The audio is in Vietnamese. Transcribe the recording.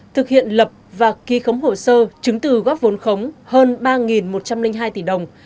thực hiện lập và ký khống hồ sơ chứng từ góp vốn khống hơn ba một trăm linh hai tỷ đồng